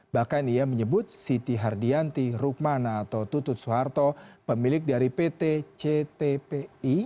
bahkan ia menyebut siti hardianti rukmana atau tutut suharto pemilik dari pt ctpi